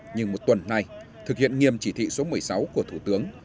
nhưng một tuần nay thực hiện nghiêm chỉ thị số một mươi sáu của thủ tướng